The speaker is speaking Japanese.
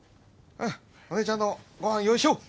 あっお姉ちゃんのご飯用意しよう